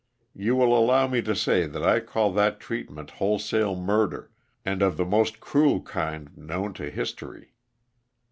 You will allow me to say that I call that treatment whole sale murder and that of the most cruel kind known to history.